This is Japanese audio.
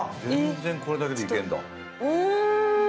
全然これだけでイケるんだ。